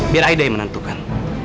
biar aida yang menentukan